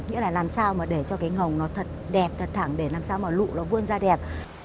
nghĩa là làm sao mà để cho cái ngồng nó thật đẹp thật thẳng để làm sao mà lụ nó vươn ra đẹp